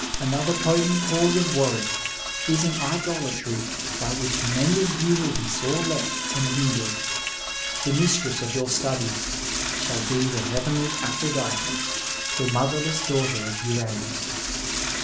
Another potent cause of worry is an idolatry by which many of you will be sore let and hftidered. The mistress of your studies should be the heavenly Aphrodite, the mother less daughter of Uranus.